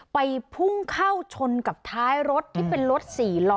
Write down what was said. พุ่งเข้าชนกับท้ายรถที่เป็นรถ๔ล้อ